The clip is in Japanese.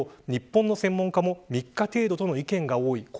日本の専門家も、３日程度との意見が多い。